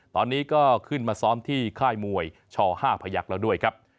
ตอนนี้ก็ขึ้นมาซ้อมที่ค่ายมวยช๕พยักษ์แล้วด้วยครับ